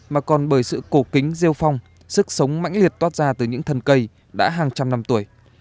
mà còn bởi sự cổ kính rêu phong sức sống mãnh liệt toát ra từ những thân cây đã hàng trăm năm tuổi